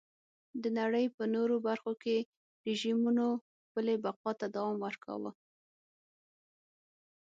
د نړۍ په نورو برخو کې رژیمونو خپلې بقا ته دوام ورکاوه.